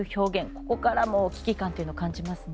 ここからも危機感を感じますよね。